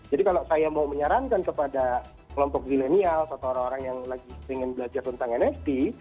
jadi kalau saya mau menyarankan kepada kelompok zillenial atau orang orang yang lagi ingin belajar tentang nft